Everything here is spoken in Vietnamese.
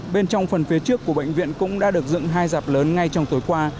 bên trong phần phía trước của bệnh viện cũng đã được dựng hai dạp lớn ngay trong tối qua